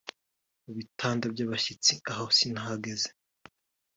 Mu bitanda by’abashyitsi ho sinahageze